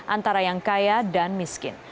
antara yang kaya dan miskin